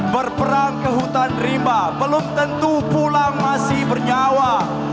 berperang ke hutan rimba belum tentu pulang masih bernyawa